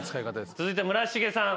続いて村重さん。